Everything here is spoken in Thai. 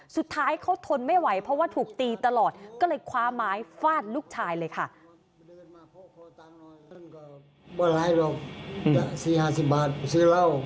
สุดท้ายเขาทนไม่ไหวเพราะว่าถูกตีตลอดก็เลยคว้าไม้ฟาดลูกชายเลยค่ะ